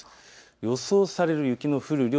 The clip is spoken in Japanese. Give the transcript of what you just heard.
予想される雪の降る量。